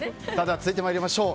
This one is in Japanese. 続いてまいりましょう。